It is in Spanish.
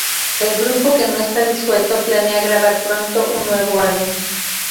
El grupo, que no está disuelto, planea grabar pronto un nuevo álbum.